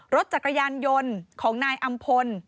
รถจักรยานยนต์ของนายอำพล